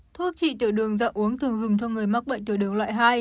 thuốc trị tiểu đường dạ uống thường dùng cho người mắc bệnh tiểu đường loại hai